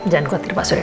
jangan khawatir pak surya